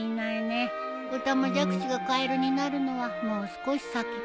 オタマジャクシがカエルになるのはもう少し先か。